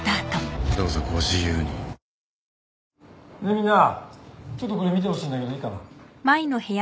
みんなちょっとこれ見てほしいんだけどいいかな？